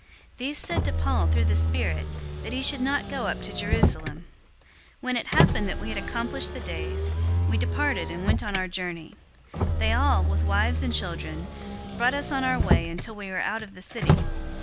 These said to Paul through the Spirit, that he should not go up to Jerusalem. 021:005 When it happened that we had accomplished the days, we departed and went on our journey. They all, with wives and children, brought us on our way until we were out of the city.